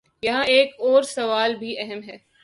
یہاں ایک اور سوال بھی اہم ہے۔